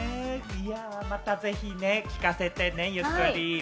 またぜひね、聞かせてね、ゆっくり！